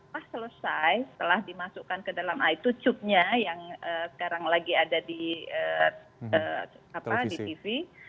pas selesai setelah dimasukkan ke dalam i dua cup nya yang sekarang lagi ada di tv